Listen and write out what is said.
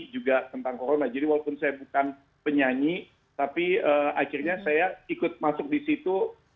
juga tentang krona jadi walaupun saya bukan penyanyi tapi akhirnya saya ikut masuk disitu